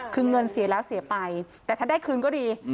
คือเงินเสียแล้วเสียไปแต่ถ้าได้คืนก็ดี